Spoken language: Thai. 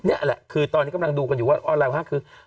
นี่แหละคือตอนนี้กำลังดูกันอยู่ว่าออนไลห้าคือ